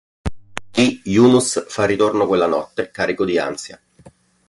Lì Yunus fa ritorno quella notte, carico di ansia.